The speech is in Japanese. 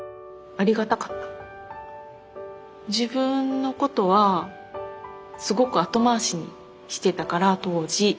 自分のことはすごく後回しにしてたから当時。